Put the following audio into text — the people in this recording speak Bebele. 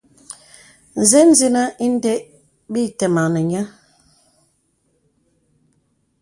Nzen nzinə inde bə ǐ tamaŋ nè nyə̄.